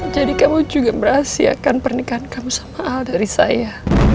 jadi kamu juga berhasil akan pernikahan kamu sama al dari saya